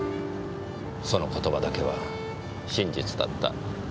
その言葉だけは真実だった。